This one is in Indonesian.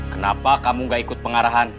kenapa kamu gak ikut pengarahan